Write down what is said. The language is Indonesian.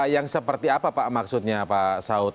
yang seperti apa pak maksudnya pak saud